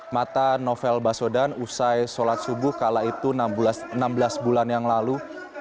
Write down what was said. mata novel baswedan usai sholat subuh kala itu enam belas bulan yang lalu